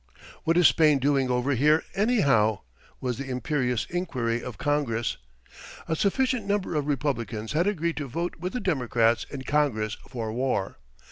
"What is Spain doing over here, anyhow?" was the imperious inquiry of Congress. A sufficient number of Republicans had agreed to vote with the Democrats in Congress for war.